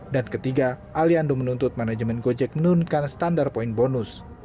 dan ketiga aliando menuntut manajemen gojek menurunkan standar poin bonus